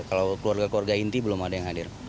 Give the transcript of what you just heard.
kalau keluarga keluarga inti belum ada yang hadir